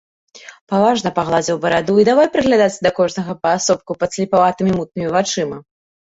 Паважна пагладзіў бараду і давай прыглядацца да кожнага паасобку падслепаватымі мутнымі вачыма.